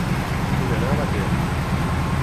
Vull anar a Batea